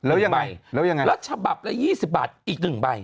แล้วยังไงแล้วชาบับละ๒๐บาทอีก๑ใบ